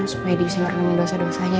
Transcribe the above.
supaya dia bisa merenung dosa dosanya